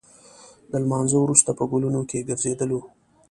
د لمانځه وروسته په ګلونو کې ګرځېدلو.